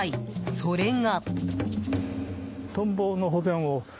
それが。